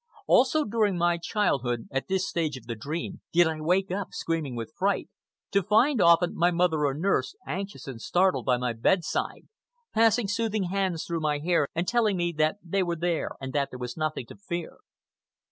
Always, during my childhood, at this stage of the dream, did I wake up screaming with fright—to find, often, my mother or nurse, anxious and startled, by my bedside, passing soothing hands through my hair and telling me that they were there and that there was nothing to fear.